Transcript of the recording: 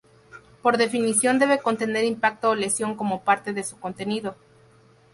Por definición debe contener impacto o lesión como parte de su contenido.